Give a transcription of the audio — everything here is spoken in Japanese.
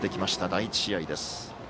第１試合です。